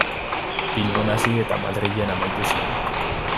Bilbon hasi eta Madrilen amaitu zen.